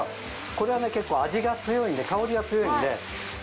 これはね結構味が強いんで香りが強いんで。